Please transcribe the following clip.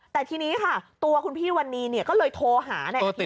แต่ทีนี้ค่ะตัวคุณพี่วรรณีเนี่ยก็เลยโทรหาอธิวัตร